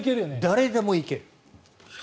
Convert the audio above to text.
誰でもいける。